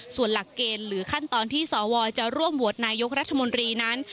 ส่วนหลักเกณฑ์หรือขั้นตอนที่สวจะร่วมโหวตนายกรัฐมนตรีนั้น